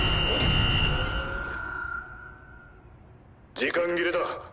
時間切れだ。